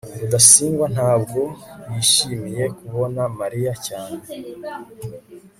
rudasingwa ntabwo yishimiye kubona mariya cyane